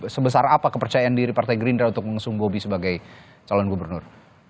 sebesar apa kepercayaan diri partai gerindra untuk mengusung bobi sebagai calon gubernur